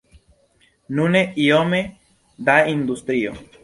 Nune iome da industrio.